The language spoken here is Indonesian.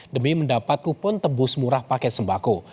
demi mendapat kupon tebus murah paket sembako